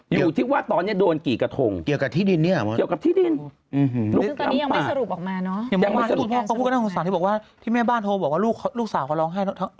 อยู่ที่ว่าตอนนี้โดนกี่กระทง